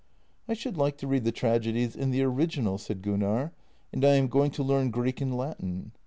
" I should like to read the tragedies in the original," said Gunnar, " and I am going to learn Greek and Latin."